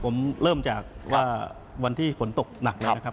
ผมเริ่มจากว่าวันที่ฝนตกหนักเลยนะครับ